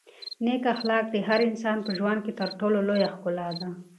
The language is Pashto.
نېک اخلاق د هر انسان په ژوند کې تر ټولو لویه ښکلا ده.